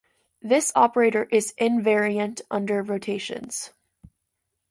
This operator is invariant under rotations.